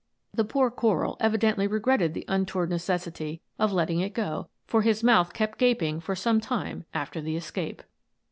The poor coral evidently regretted the untoward necessity of let ting it go, for his mouth kept gaping for some time after the escape.